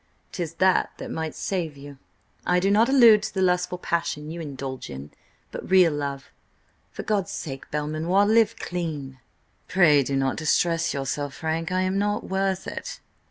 'Tis that that might save you. I do not allude to the lustful passion you indulge in, but real love. For God's sake Belmanoir, live clean!" "Pray do not distress yourself, Frank. I am not worth it."